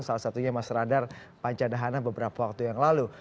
salah satunya mas radar pancadhana beberapa waktu yang lalu